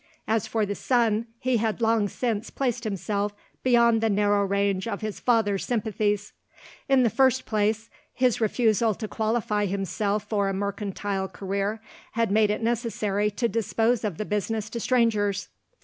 As for the son, he had long since placed himself beyond the narrow range of his father's sympathies. In the first place, his refusal to qualify himself for a mercantile career had made it necessary to dispose of the business to strangers.